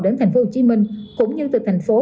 đến tp hcm cũng như từ thành phố